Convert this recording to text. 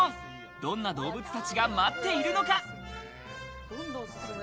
どんな動物たちが待っているのか。